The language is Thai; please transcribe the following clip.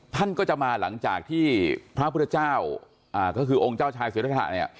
ท่านก็จะมาหลังจากที่พระพุทธเจ้าก็คือองค์เจ้าชายศิรทะเนี่ย